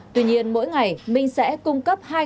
tuy nhiên mỗi ngày minh sẽ cung cấp hai